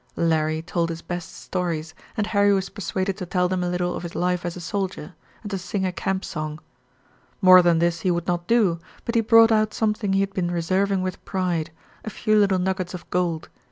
Larry told his best stories, and Harry was persuaded to tell them a little of his life as a soldier, and to sing a camp song. More than this he would not do, but he brought out something he had been reserving with pride, a few little nuggets of gold.